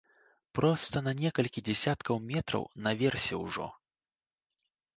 Проста на некалькі дзясяткаў метраў, наверсе ўжо.